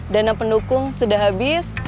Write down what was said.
dana pendukung sudah habis